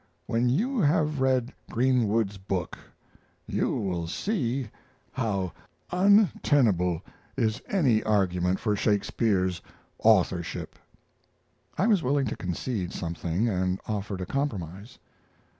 When you have read Greenwood's book you will see how untenable is any argument for Shakespeare's authorship." I was willing to concede something, and offered a compromise.